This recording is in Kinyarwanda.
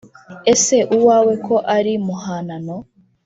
Ese uwawe ko ari muhanano